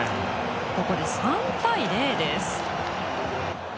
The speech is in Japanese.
これで３対０です。